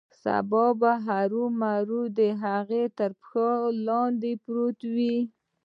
سبا به هرومرو د هغه تر پښو لاندې پروت یې.